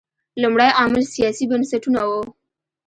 لومړی عامل سیاسي بنسټونه وو.